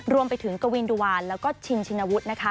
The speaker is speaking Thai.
รวมไปถึงกวินดุวานแล้วก็ชินชินวุฒินะคะ